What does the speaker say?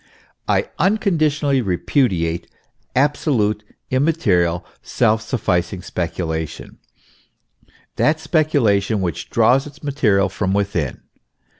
I unconditionally repudiate absolute, immaterial, self sufficing speculation, that speculation which draws its material from within.